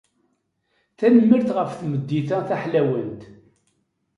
Tanemmirt ɣef tmeddit-a taḥlawant.